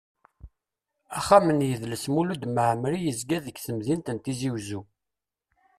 Axxam n yidles Mulud Mɛemmeri yezga deg temdint n Tizi Uzzu.